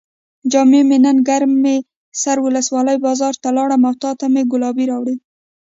جان مې نن ګرم سر ولسوالۍ بازار ته لاړم او تاته مې ګلابي راوړې.